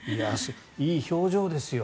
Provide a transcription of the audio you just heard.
いい表情ですよ。